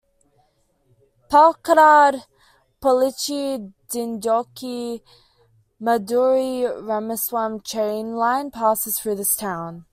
Palakkad-Pollachi-Dindukal-Madurai-Rameswaram train line pass through this town.